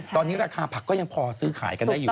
ตอนนี้ราคาผักก็ยังพอซื้อขายกันได้อยู่